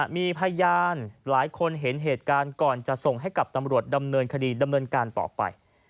มีพยานหลายคนเห็นเหตุการณ์ก่อนจะส่งให้กับตำรวจดำเนินคดีดำเนินการต่อไป